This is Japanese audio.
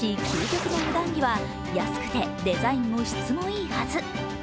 しかし、究極の普段着は安くてデザインも質もいいはず。